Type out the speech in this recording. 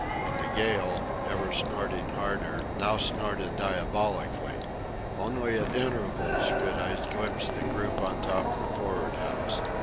And the gale, ever snorting harder, now snorted diabolically. Only at intervals could I glimpse the group on top the for'ard house.